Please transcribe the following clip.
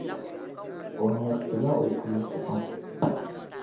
O nyɛriti la o puli zuɣu.